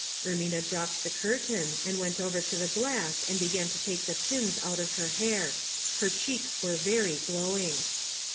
Ermina dropped the curtain, and went over to the glass and began to take the pins out of her hair. Her cheeks were very glowing.